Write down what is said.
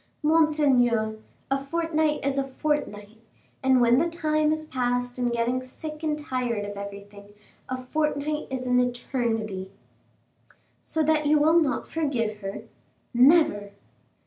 "Monseigneur, a fortnight is a fortnight; and when the time is passed in getting sick and tired of everything, a fortnight is an eternity." "So that you will not forgive her?" "Never!"